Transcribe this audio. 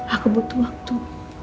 aku butuh waktu